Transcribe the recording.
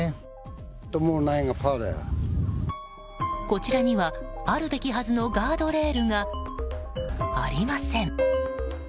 こちらには、あるべきはずのガードレールがありません。